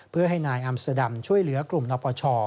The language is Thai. เพื่อให้นายอัมเตอร์ดัมช่วยเหลือกลุ่มนปช